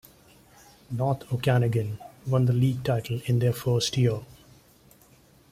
North Okanagan won the league title in their first year.